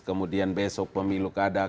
kemudian besok pemilu kadak